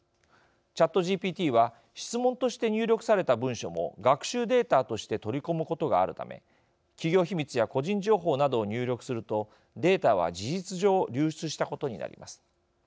ＣｈａｔＧＰＴは質問として入力された文章も学習データとして取り込むことがあるため企業秘密や個人情報などを入力するとデータは事実上流出したことになります。